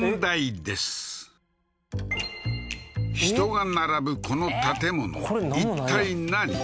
人が並ぶこの建物いったい何？